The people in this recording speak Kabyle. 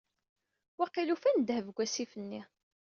Waqil ufan ddheb deg assif-nni.